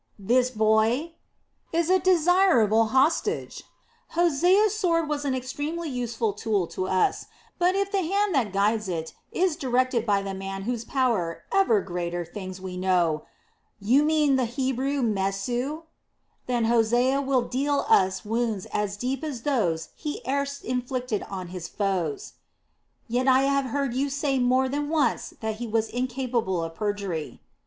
"This boy...." "Is a desirable hostage. Hosea's sword was an extremely useful tool to us; but if the hand that guides it is directed by the man whose power ever greater things we know...." "You mean the Hebrew, Mesu?" "Then Hosea will deal us wounds as deep as those he erst inflicted on our foes." "Yet I have heard you say more than once that he was incapable of perjury."